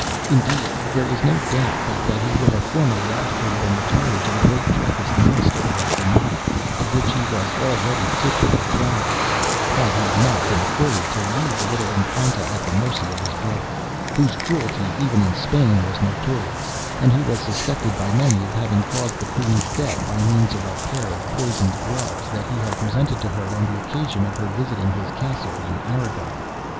Indeed, there is no doubt but that he would have formally abdicated and retired to the great Trappist monastery at Granada, of which he was already titular Prior, had he not been afraid to leave the little Infanta at the mercy of his brother, whose cruelty, even in Spain, was notorious, and who was suspected by many of having caused the Queen's death by means of a pair of poisoned gloves that he had presented to her on the occasion of her visiting his castle in Aragon.